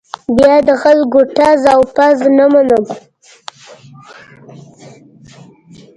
بیا د خلکو ټز او پز نه منم.